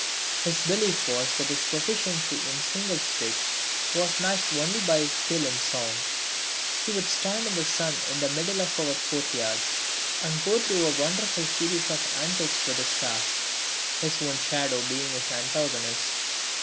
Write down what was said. His belief was that his proficiency in singlestick was matched only by his skill in song. He would stand in the sun in the middle of our courtyard and go through a wonderful series of antics with a staff his own shadow being his antagonist.